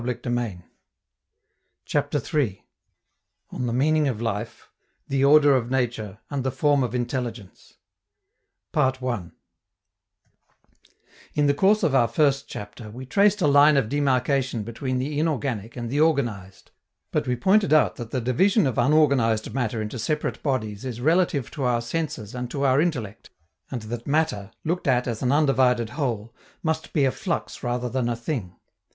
187).] CHAPTER III ON THE MEANING OF LIFE THE ORDER OF NATURE AND THE FORM OF INTELLIGENCE In the course of our first chapter we traced a line of demarcation between the inorganic and the organized, but we pointed out that the division of unorganized matter into separate bodies is relative to our senses and to our intellect, and that matter, looked at as an undivided whole, must be a flux rather than a thing.